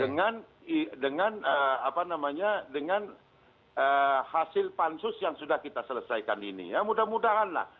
dengan dengan apa namanya dengan hasil pansus yang sudah kita selesaikan ini ya mudah mudahan lah